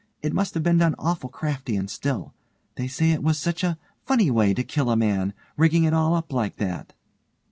It must have been done awful crafty and still. They say it was such a funny way to kill a man, rigging it all up like that.